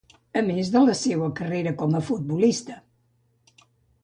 A més de la seua carrera com a futbolista.